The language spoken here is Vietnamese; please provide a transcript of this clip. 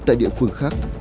tại địa phương khác